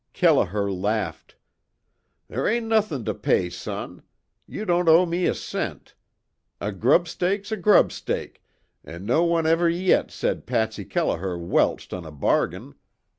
Kelliher laughed: "There ain't nothin' to pay son. You don't owe me a cent. A grub stake's a grub stake, an' no one iver yit said Patsy Kelliher welched on a bargain.